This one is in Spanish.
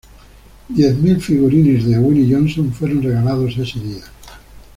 Diez mil figurines de Vinnie Johnson fueron regalados ese día.